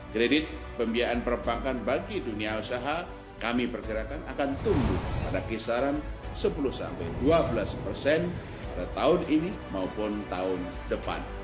kredit pembiayaan perbankan bagi dunia usaha kami perkirakan akan tumbuh pada kisaran sepuluh sampai dua belas persen pada tahun ini maupun tahun depan